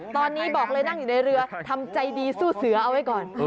ตอนนี้บอกเลยนั่งอยู่ในเรือทำใจดีสู้เสือเอาไว้ก่อน